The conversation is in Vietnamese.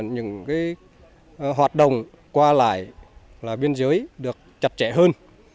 những hoạt động qua lại là biên giới được chặt chẽ hơn